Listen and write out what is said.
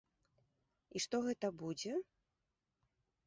І што гэта будзе?